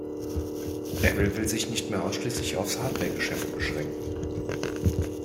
Apple will sich nicht mehr ausschließlich auf's Hardware-Geschäft beschränken.